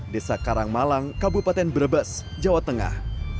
desa karangmalang kabupaten brebes jawa tengah